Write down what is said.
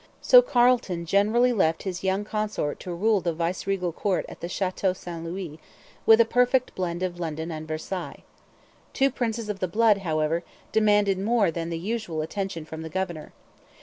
So Carleton generally left his young consort to rule the viceregal court at the Chateau St Louis with a perfect blend of London and Versailles. Two Princes of the Blood, however, demanded more than the usual attention from the governor.